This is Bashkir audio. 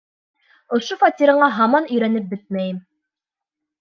Ошо фатирыңа һаман өйрәнеп бөтмәйем.